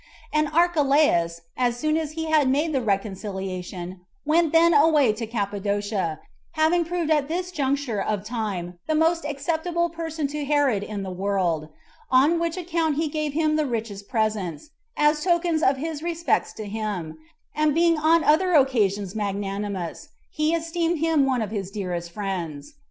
And Archelaus, as soon as he had made the reconciliation, went then away to Cappadocia, having proved at this juncture of time the most acceptable person to Herod in the world; on which account he gave him the richest presents, as tokens of his respects to him; and being on other occasions magnanimous, he esteemed him one of his dearest friends.